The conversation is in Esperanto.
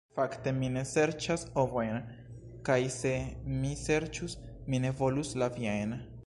"Fakte, mi ne serĉas ovojn; kaj se mi serĉus, mi ne volus la viajn.